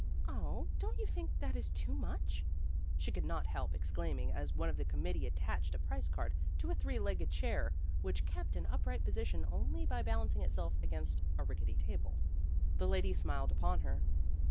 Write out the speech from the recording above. "0, don't you think that is too much?" She could not help ex claiming as one of the committee attached a price card to a three legged chair, which kept an upright position only by balancing itself against a rickety table. The lady smiled upon her.